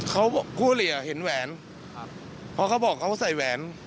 เขาคู่เหลี่ยเห็นแหวนครับเพราะเขาบอกเขาใส่แหวน